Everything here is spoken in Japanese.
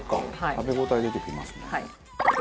食べ応え出てきますもんね。